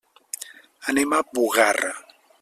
Anem a Bugarra.